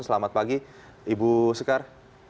selamat pagi ibu sekar